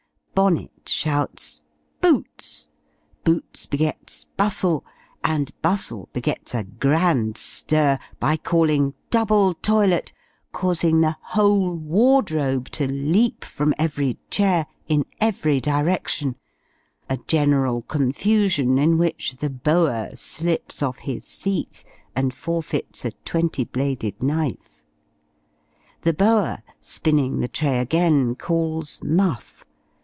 Bonnet shouts "Boots!" Boots begets "Bustle!" and Bustle begets a grand stir, by calling "Double Toilet!" causing the whole wardrobe to leap from every chair, in every direction, a general confusion, in which the Boa slips off his seat, and forfeits a twenty bladed knife. The Boa, spinning the tray again, calls "_Muff!